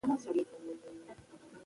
د وطن ابادي زموږ لومړیتوب دی.